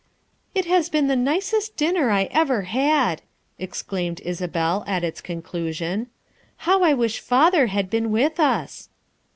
'' It has been the nicest dinner I ever had, '' exclaimed Isabel at its conclusion. " How I wish father had been with us."